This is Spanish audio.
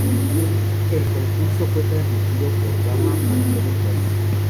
El concurso fue transmitido por Gama para todo el país.